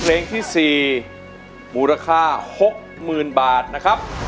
เพลงที่สี่มูลค่าหกหมื่นบาทนะครับ